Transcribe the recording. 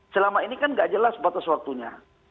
selama ini kan gak jelas batas waktunya